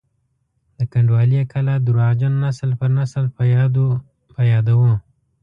د کنډوالې کلا درواغجن نسل پر نسل په یادو وو.